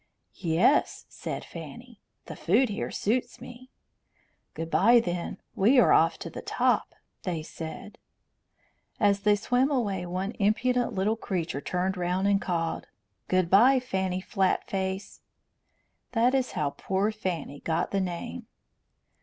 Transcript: "Yes," said Fanny. "The food here suits me." "Good bye, then. We are off to the top," they said. As they swam away one impudent little creature turned round and called: "Good bye, Fanny Flatface!" That is how poor Fanny got the name.